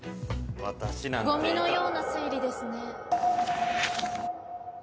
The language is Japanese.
ごみのような推理ですね。